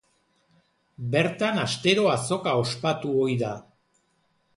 Bertan astero azoka ospatu ohi da.